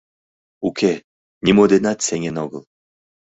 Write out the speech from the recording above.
Уке, нимо денат сеҥен огыл.